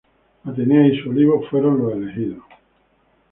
Atenea y su olivo fueron los elegidos.